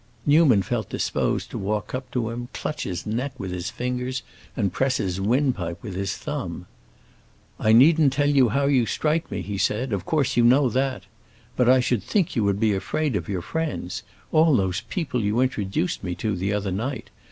Newman felt disposed to walk to him, clutch his neck with his fingers and press his windpipe with his thumb. "I needn't tell you how you strike me," he said; "of course you know that. But I should think you would be afraid of your friends—all those people you introduced me to the other night.